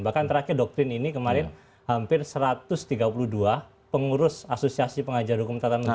bahkan terakhir doktrin ini kemarin hampir satu ratus tiga puluh dua pengurus asosiasi pengajar hukum tata negara